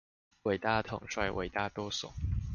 偉大統帥、偉大舵手